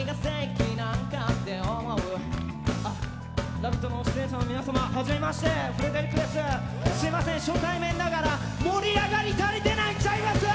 「ラヴィット！」の出演者の皆さん、初めまして、フレデリックです、すいません初対面ながら盛り上がりやっちゃいます！